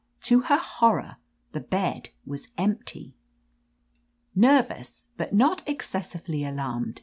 To her horror, the bed was empty ! "Nervous, but not excessively alarmed.